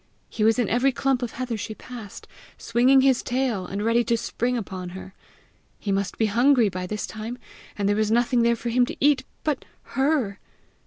He was in every clump of heather she passed, swinging his tail, and ready to spring upon her! He must be hungry by this time, and there was nothing there for him to eat but her!